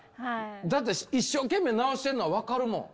だって一生懸命直してんのは分かるもん！